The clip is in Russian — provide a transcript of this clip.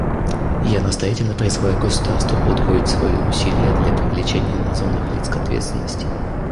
Я настоятельно призываю государства удвоить свои усилия для привлечения названных лиц к ответственности.